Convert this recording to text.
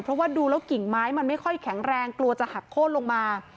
เพราะว่าดูแล้วกิ่งไม้มันไม่ค่อยแข็งแรงกลัวจะหักโค้นลงมา